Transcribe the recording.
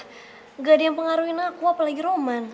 enggak ada yang pengaruhi aku apalagi roman